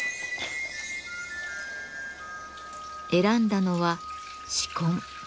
選んだのは紫根。